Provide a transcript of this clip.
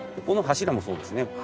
この柱もそうですね。